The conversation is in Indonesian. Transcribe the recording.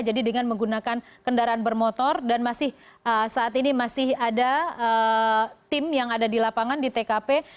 dengan menggunakan kendaraan bermotor dan masih saat ini masih ada tim yang ada di lapangan di tkp